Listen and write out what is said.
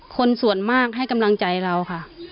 คนส่วนมากให้กำลังใจเราค่ะ